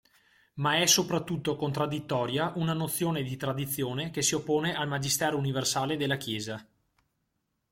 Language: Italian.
Ma è soprattutto contraddittoria una nozione di Tradizione che si oppone al Magistero universale della Chiesa.